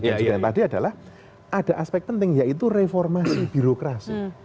presiden tadi adalah ada aspek penting yaitu reformasi birokrasi